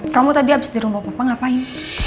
kamu tadi habis di rumah papa ngapain